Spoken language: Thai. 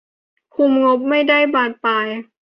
คุมงบได้ไม่บานปลาย